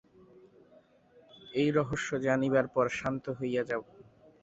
এই রহস্য জানিবার পর শান্ত হইয়া যাও।